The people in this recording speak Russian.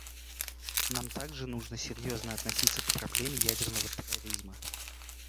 Нам также нужно серьезно относиться к проблеме ядерного терроризма.